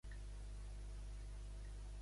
Què ha asseverat Ada d'aquesta situació?